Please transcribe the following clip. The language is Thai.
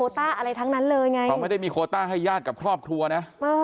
ต้องไม่ได้มีโคต้าให้ญาติกับครอบครัวน่ะ